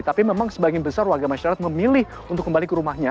tapi memang sebagian besar warga masyarakat memilih untuk kembali ke rumahnya